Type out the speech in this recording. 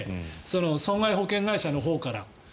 損害保険会社のほうから。